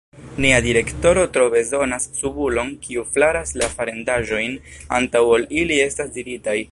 Nia direktoro tro bezonas subulon kiu flaras la farendaĵojn antaŭ ol ili estas diritaj.